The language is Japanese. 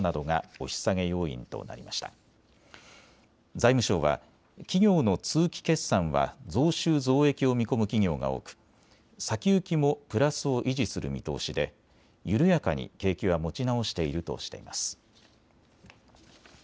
財務省は企業の通期決算は増収増益を見込む企業が多く先行きもプラスを維持する見通しで緩やかに景気は持ち直しているとしています。